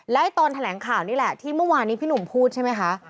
แล้วตอนแถลงข่าวนี่แหละที่เมื่อวานนี้พี่หนุ่มพูดใช่ไหมคะ